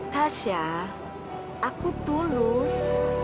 tasya aku tulus